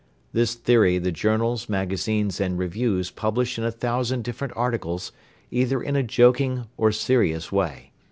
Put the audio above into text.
This theory the journals, magazines, and reviews publish in a thousand different articles either in a joking or serious way.